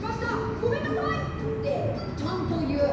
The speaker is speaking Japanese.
ごめんなさい！」ってちゃんと言う。